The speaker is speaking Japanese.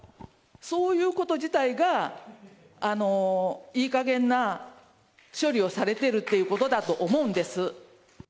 そういうこと自体が、いいかげんな処理をされているっていうことだと思うんです。